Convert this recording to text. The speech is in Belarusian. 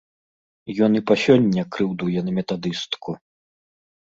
Ён і па сёння крыўдуе на метадыстку.